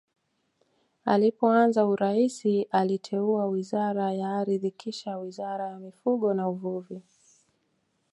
Alipoanza urais alimteua Wizara ya Ardhi kisha Wizara ya Mifugo na Uvuvi